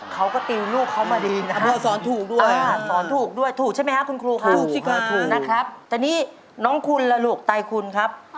เขาก็ติวลูกเขามาดีนะครับ